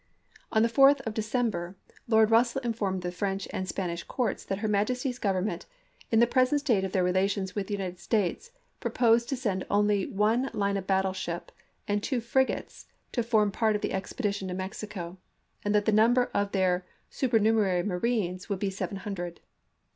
On the 4th of Decem isei. ber Lord Russell informed the French and Spanish courts that her Majesty's Government, "in the present state of their relations with the United States," proposed to send only one line of battle ship and two frigates to form part of the expedition to Mexico, and that the number of their supernumer ary marines would be seven hundred.